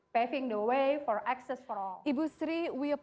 jadi jika anda melihat dari slide ini ya